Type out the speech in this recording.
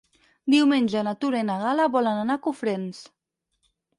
Diumenge na Tura i na Gal·la volen anar a Cofrents.